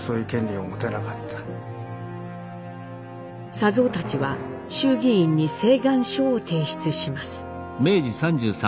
佐三たちは衆議院に請願書を提出します。